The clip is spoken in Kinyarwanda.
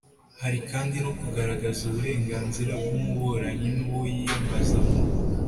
Hari kandi no kugaragaza uburenganzira bw'umuburanyi, n'uwo yiyambaza mu